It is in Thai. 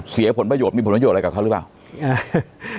เสียผลประโยชน์มีผลประโยชนอะไรกับเขาหรือเปล่า